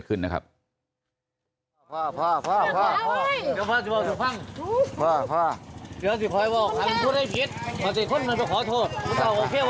อยู่หีวเชี่ยว